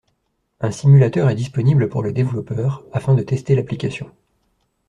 Un simulateur est disponible pour les développeurs afin de tester l'application.